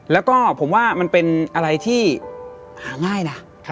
แล้วก็ผมว่ามันเป็นอะไรที่หาง่ายนะ